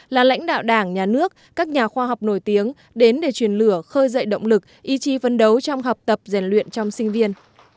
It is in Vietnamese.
là lãnh đạo đảng nhà nước các nhà khoa học nổi tiếng đến để truyền lửa khơi dậy động lực ý chí phấn đấu trong học tập rèn luyện trong sinh viên